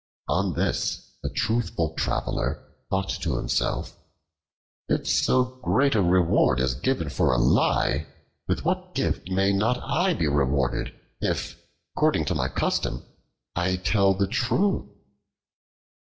On this the truthful Traveler thought to himself, "If so great a reward be given for a lie, with what gift may not I be rewarded, if, according to my custom, I tell the truth?"